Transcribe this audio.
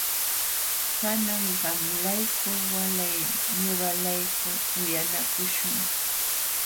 Kanan qamlayku walay ñuqalayku uyanakuśhun.